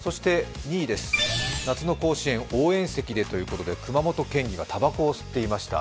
２位です夏の甲子園、応援席でということで熊本県議がたばこを吸っていました。